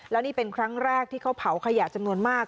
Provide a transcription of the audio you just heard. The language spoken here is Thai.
แล้วนี่เป็นครั้งแรกที่เขาเผาขยะจำนวนมาก